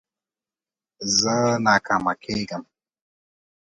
زه ناکامه کېږم.